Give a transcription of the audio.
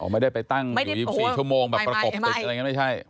ไม่ได้ไปตั้งอยู่๒๔ชั่วโมงแบบประกบติดอะไรอย่างนี้ไม่ใช่